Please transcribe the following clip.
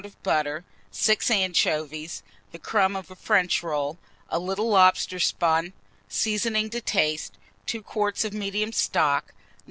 of butter, 6 anchovies, the crumb of 1 French roll, a little lobster spawn, seasoning to taste, 2 quarts of medium stock, No.